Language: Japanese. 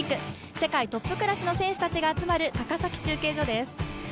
世界トップクラスの選手たちが集まる高崎中継所です。